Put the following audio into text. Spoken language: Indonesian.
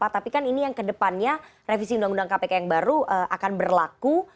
tapi kan ini yang kedepannya revisi undang undang kpk yang baru akan berlaku